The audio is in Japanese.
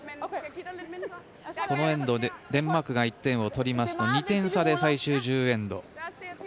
このエンドデンマークが１点を取りますと２点差で最終１０エンド。